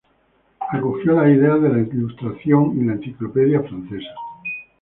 Acogió las ideas de la Ilustración y la Enciclopedia francesa.